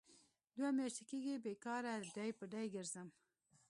دوه میاشې کېږي بې کاره ډۍ په ډۍ کرځم.